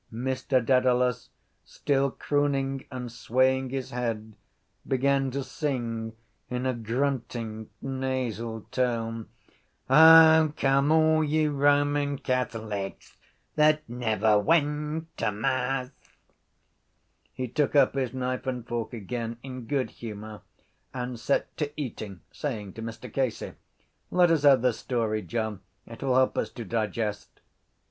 Mr Dedalus, still crooning and swaying his head, began to sing in a grunting nasal tone: O, come all you Roman catholics That never went to mass. He took up his knife and fork again in good humour and set to eating, saying to Mr Casey: —Let us have the story, John. It will help us to digest.